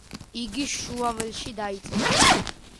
იგი შუაველში დაიწერა.